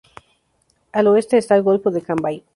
Al oeste está el golfo de Cambay.